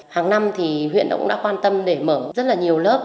hàng năm thì huyện cũng đã quan tâm để mở rất là nhiều lớp